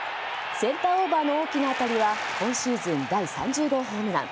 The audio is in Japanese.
センターオーバーの大きな当たりは今シーズン第３０号ホームラン。